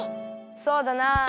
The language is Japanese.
そうだなあ。